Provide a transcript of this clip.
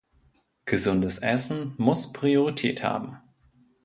Gesundes Essen muss Priorität haben.